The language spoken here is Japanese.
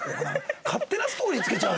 勝手なストーリー付けちゃう。